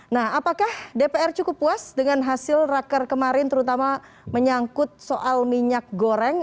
nah apakah dpr cukup puas dengan hasil raker kemarin terutama menyangkut soal minyak goreng